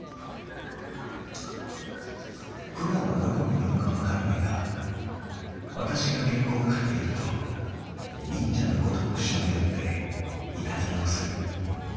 「ふだんはどこにいるのかわからないがわたしが原稿を書いていると忍者のごとく忍び寄っていたずらをする」。